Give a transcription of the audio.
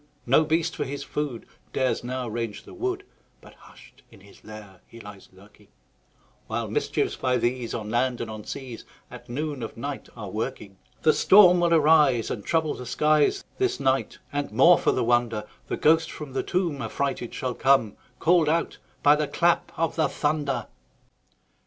No beast, for his food, Dares now range the wood, But hush'd in his lair he lies lurking; While mischiefs, by these, On land and on seas, At noon of night are a working. The storm will arise, And trouble the skies This night; and, more for the wonder, The ghost from the tomb Affrighted shall come, Call'd out by the clap of the thunder.